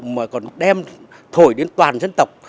mà còn đem thổi đến toàn dân tộc